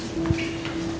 aku mau ke sana